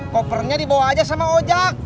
kopernya dibawa aja sama oja